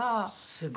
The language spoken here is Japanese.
すごい。